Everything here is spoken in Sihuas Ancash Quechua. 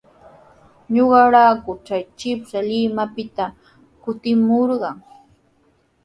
Ñuqarayku chay shipash Limapita kutimurqan.